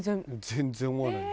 全然思わない。